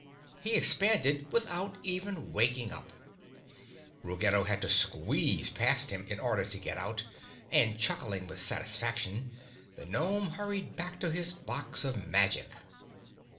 He expanded without even waking up. Ruggedo had to squeeze past him in order to get out and, chuckling with satisfaction, the gnome hurried back to his box of magic.